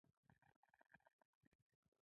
موږ دغه ډول بېلګې مخکې په روم کې ولیدلې.